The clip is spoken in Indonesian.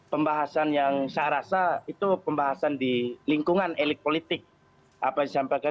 pembahasan yang saya rasa itu pembahasan di lingkungan elit politik